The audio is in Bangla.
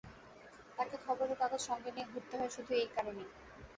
তাঁকে খবরের কাগজ সঙ্গে নিয়ে ঘুরতে হয় শুধু এই কারণেই।